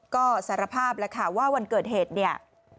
ก็สารภาพแล้วค่ะว่าวันเกิดเหตุเนี่ย